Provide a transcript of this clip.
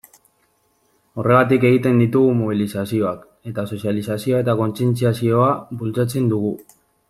Horregatik egiten ditugu mobilizazioak, eta sozializazioa eta kontzientziazioa bultzatzen dugu.